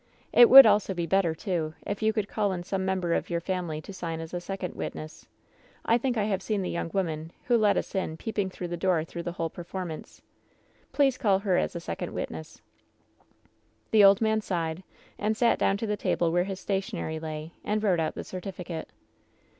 It would also be better, too, if you could call in some member of your family to sign as a second witness. I think I have WHEN SHADOWS DIE 169 seen the young woman who let us in peeping through the door through the whole performance. Please call her aa a second witness/ "The old man sighed and sat down to the table where his stationery lay, and wrote out the certificate.